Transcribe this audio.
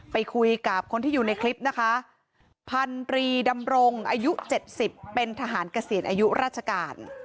ไปคุยกับคนที่อยู่ในคลิปนะคะพันธรีดำรงอายุ๗๐เป็นทหารเกษียณอายุราชการ